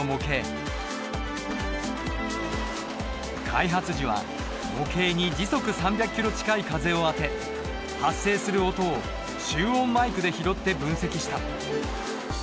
開発時は模型に時速３００ｋｍ近い風を当て発生する音を集音マイクで拾って分析した。